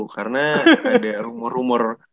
karena ada rumor rumor